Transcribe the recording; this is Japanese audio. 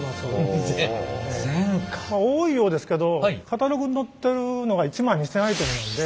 多いようですけどカタログに載ってるのが１万２，０００アイテムなので。